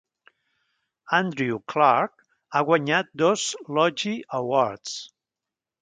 Andrew Clarke ha guanyat dos Logie Awards.